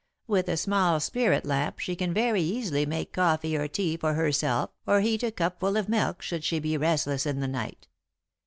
With a small spirit lamp she can very easily make coffee or tea for herself, or heat a cupful of milk should she be restless in the night.